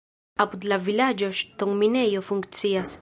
Apud la vilaĝo ŝtonminejo funkcias.